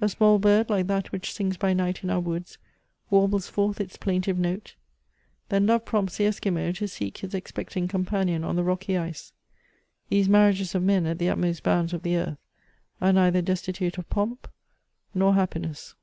A small bird like that which sings by night in our woods, warbles forth its plaintive note. Then love prompts the Esquimaux to seek his expecting companion on the rocky ice ; these marriages of men at the utmost bounds of the earth are neither destitute of pomp nor happiness.